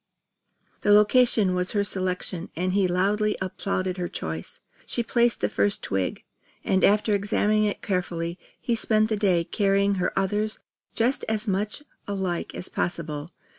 The location was her selection and he loudly applauded her choice. She placed the first twig, and after examining it carefully, he spent the day carrying her others just as much alike as possible.